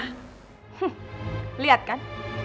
hmm lihat kan